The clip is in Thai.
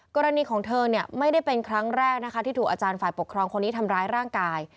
กรณีของเธอเนี่ยไม่ได้เป็นครั้งแรกนะคะที่ถูกอาจารย์ฝ่ายปกครองคนนี้ทำร้ายร่างกาย